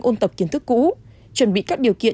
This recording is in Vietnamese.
ôn tập kiến thức cũ chuẩn bị các điều kiện